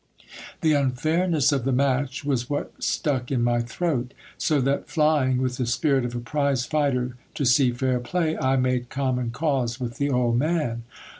The unfairness of the match was what stuck in my throat ; so that flying, with the spirit of a prize fighter, to see fair play, I made common cause with the old man.